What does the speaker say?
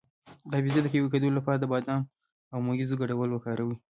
د حافظې د قوي کیدو لپاره د بادام او مویزو ګډول وکاروئ